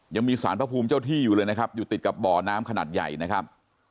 ยังมีสารพระภูมิเจ้าที่อยู่เลยนะครับอยู่ติดกับบ่อน้ำขนาดใหญ่นะครับ